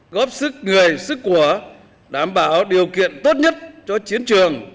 góp sức người sức của đảm bảo điều kiện tốt nhất cho chiến trường